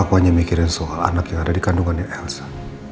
aku hanya mikirin soal anak yang ada dikandungan elsa